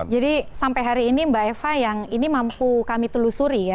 jadi sampai hari ini mbak eva yang ini mampu kami telusuri